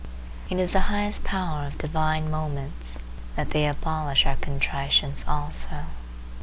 It is the highest power of divine moments that they abolish our contritions also.